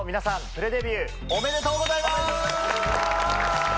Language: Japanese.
プレデビューおめでとうございます！